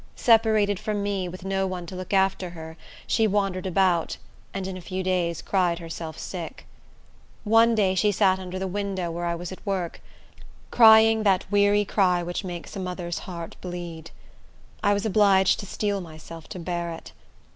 Separated from me, with no one to look after her, she wandered about, and in a few days cried herself sick. One day, she sat under the window where I was at work, crying that weary cry which makes a mother's heart bleed. I was obliged to steel myself to bear it.